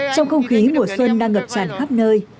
trong không khí mùa xuân đang ngập tràn khắp nơi